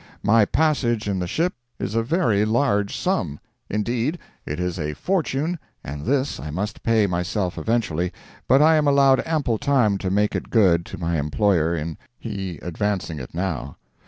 My passage in the ship is a very large sum—indeed, it is a fortune and this I must pay myself eventually, but I am allowed ample time to make it good to my employer in, he advancing it now.